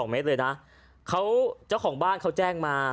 ๒เมตรเลยนะเขาเจ้าของบ้านเขาแจ้งมา